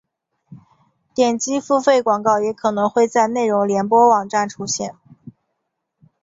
点击付费广告也可能会在内容联播网站出现。